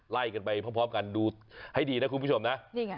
ไล่กันไปพร้อมกันดูให้ดีนะคุณผู้ชมนะ